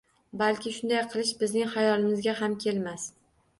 Balki bunday qilish bizning xayolimizga ham kelmas.